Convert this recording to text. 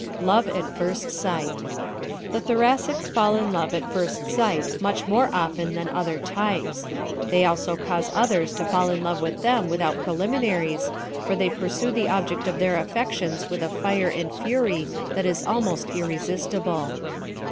Love at First Sight ¶ The Thoracics fall in love at first sight much more often than other types. They also cause others to fall in love with them without preliminaries, for they pursue the object of their affections with a fire and fury that is almost irresistible.